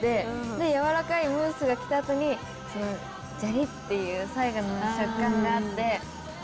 で軟らかいムースが来た後にジャリっていう最後の食感があって。